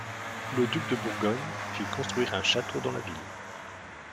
Le duc de Bourgogne fit construire un château dans la ville.